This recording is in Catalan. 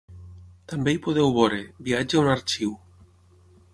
També hi podeu veure: Viatge a un arxiu.